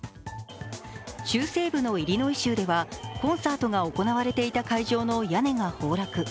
中西部のイリノイ州ではコンサートが行われていた会場の屋根が崩落。